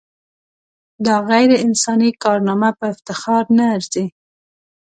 دا غیر انساني کارنامه په افتخار نه ارزي.